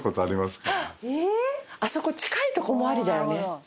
ええ！？あそこ近い所もありだよね。